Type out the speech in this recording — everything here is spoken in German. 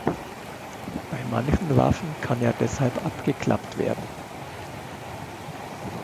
Bei manchen Waffen kann er deshalb abgeklappt werden.